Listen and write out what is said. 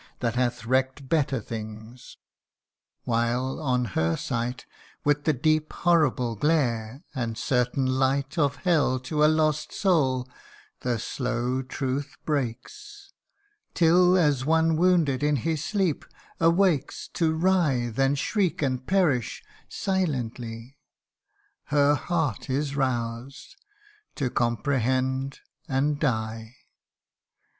That hath wreck'd better things ; while on her sight, With the deep horrible glare, and certain light Of hell to a lost soul, the slow truth breaks ; Till, as one wounded in his sleep, awakes To writhe, and shriek, and perish silently : Her heart is roused to comprehend and die.